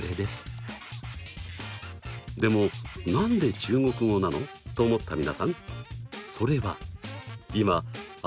でも何で中国語なの？と思った皆さん！